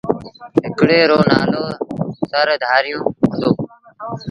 هڪڙي رو نآلو سرڌآريو هُݩدو۔